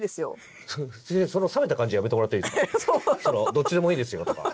どっちでもいいですよとか。